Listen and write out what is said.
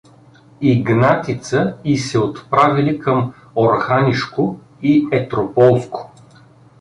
Игнатица и се отправили към Орханишко и Етрополско.